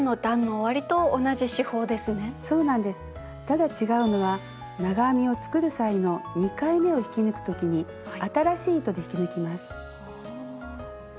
ただ違うのは長編みを作る際の２回めを引き抜く時に新しい糸で引き抜きます。